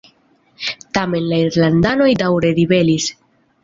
Tamen la irlandanoj daŭre ribelis.